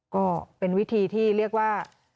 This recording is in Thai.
ก็เป็นวิธีที่เรียกว่า